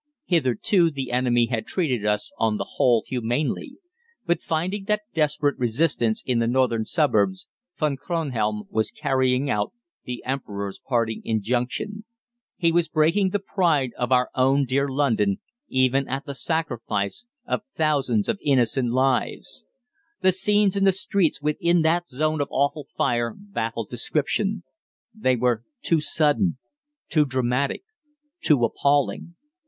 Hitherto the enemy had treated us, on the whole, humanely, but finding that desperate resistance in the northern suburbs, Von Kronhelm was carrying out the Emperor's parting injunction. He was breaking the pride of our own dear London, even at the sacrifice of thousands of innocent lives. The scenes in the streets within that zone of awful fire baffled description. They were too sudden, too dramatic, too appalling.